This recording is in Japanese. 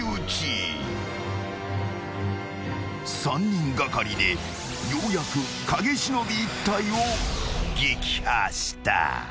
［３人がかりでようやく影忍１体を撃破した］